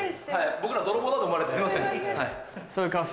僕ら泥棒だと思われて。